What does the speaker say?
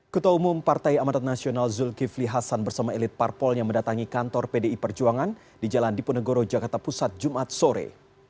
ketua umum partai amanat nasional zulkifli hasan bersama elit parpolnya mendatangi kantor pdi perjuangan di jalan diponegoro jakarta pusat jumat sore